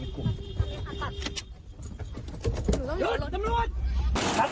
ครับ